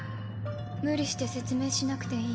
無理して説明しなくていい。